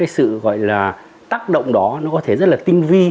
sự tác động đó có thể rất tinh vi